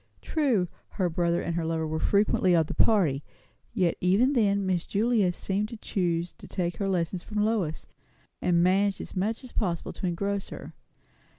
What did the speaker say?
True, her brother and her lover were frequently of the party; yet even then Miss Julia seemed to choose to take her lessons from Lois; and managed as much as possible to engross her.